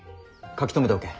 書き留めておけ。